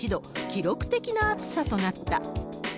記録的な暑さとなった。